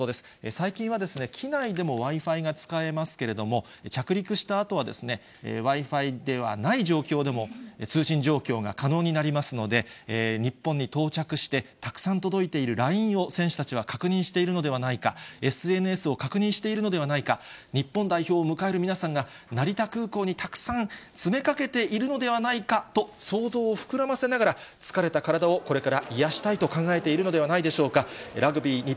最近は機内でもＷｉ−Ｆｉが使えますけれども、着陸したあとは、Ｗｉ−Ｆｉではない状況でも、通信状況が可能になりますので、日本に到着して、たくさん届いているＬＩＮＥを選手たちは確認しているのではないか、ＳＮＳを確認しているのではないか、日本代表を迎える皆さんが、成田空港にたくさん詰めかけているのではないかと、想像を膨らまこの時間は午後６時１５分まで字幕放送をお送りします。